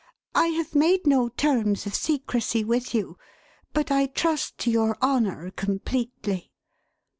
I have made no terms of secrecy with you, but I trust to your honour completely.""